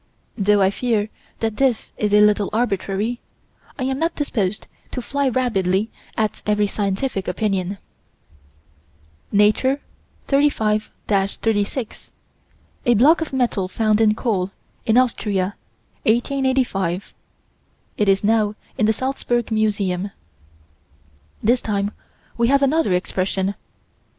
Though I fear that this is a little arbitrary, I am not disposed to fly rabidly at every scientific opinion. Nature, 35 36: A block of metal found in coal, in Austria, 1885. It is now in the Salsburg museum. This time we have another expression.